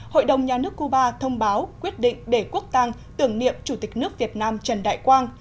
hội đồng nhà nước cuba thông báo quyết định để quốc tàng tưởng niệm chủ tịch nước việt nam trần đại quang